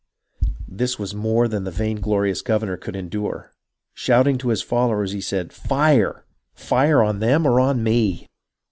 This was more than the vainglorious governor could endure. Shouting to his followers, he said, " Fire ! Fire on them or on me